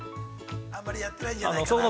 ◆あんまりやってないんじゃないかなという。